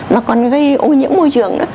mà còn gây ô nhiễm môi trường nữa